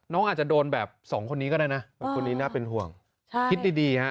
น้องอาจจะโดนแบบสองคนนี้ก็ได้นะคนนี้น่าเป็นห่วงใช่คิดดีดีฮะ